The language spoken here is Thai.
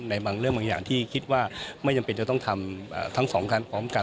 ในบางเรื่องบางอย่างที่คิดว่าไม่จำเป็นจะต้องทำทั้งสองครั้งพร้อมกัน